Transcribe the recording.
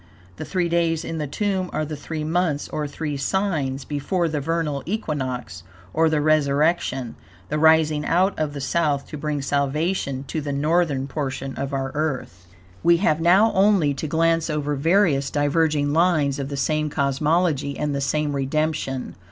The three days in the tomb are the three months, or three signs, before the vernal equinox, or the resurrection, the rising out of the South to bring salvation to the northern portion of our Earth. We have now only to glance over various diverging lines of the same cosmology and the same redemption.